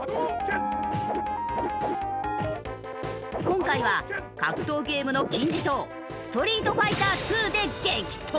今回は格闘ゲームの金字塔『ストリートファイターⅡ』で激闘！